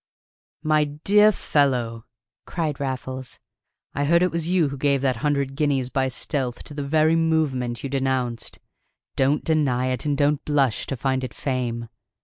"My dear fellow," cried Raffles, "I hear it was you who gave that hundred guineas by stealth to the very movement you denounced. Don't deny it, and don't blush to find it fame.